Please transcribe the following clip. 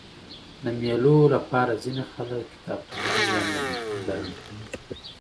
د مېلو له پاره ځيني خلک کتابتونونه یا نندارتونونه جوړوي.